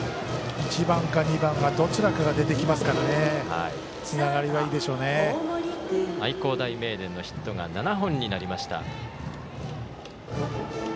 １番か２番、どちらかが出てきますから愛工大名電のヒットが７本になりました。